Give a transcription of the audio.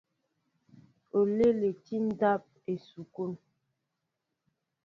Oléele tí ndáw esukul.